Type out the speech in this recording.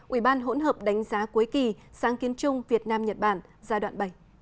ủy ban hỗn hợp đánh giá cuối kỳ sáng kiến chung việt nam nhật bản giai đoạn bảy